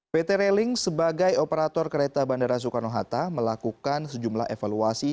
pt railing sebagai operator kereta bandara soekarno hatta melakukan sejumlah evaluasi